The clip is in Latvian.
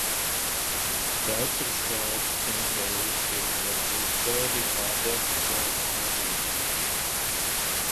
Katru šādu centrālo izpildvaras iestādi vada tās vadītājs.